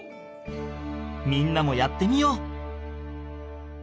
みんなもやってみよう！